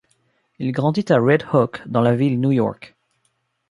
Il grandit à Red Hook dans la ville New York.